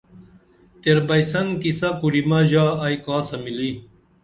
تیر بئیسن قصہ کُریمہ ژا ائی کاسہ ملی